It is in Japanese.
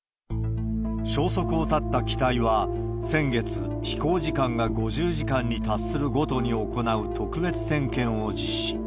消息を絶った機体は、先月、飛行時間が５０時間に達するごとに行う特別点検を実施。